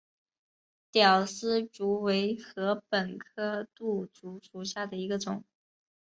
吊丝竹为禾本科牡竹属下的一个种。